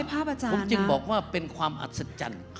ผมจึงบอกว่าเป็นความอัศจรรย์